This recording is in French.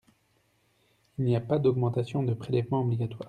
Il n’y a pas d’augmentation de prélèvement obligatoire.